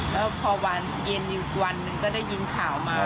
แล้วพอวันเย็นอีกวันหนึ่งก็ได้ยินข่าวมา